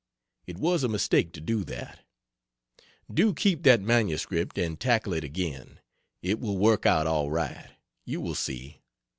It was a mistake to do that. Do keep that MS and tackle it again. It will work out all right; you will see.